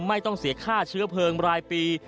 ไม่ต้องเสียค่าเชื้อเพลิงรายปี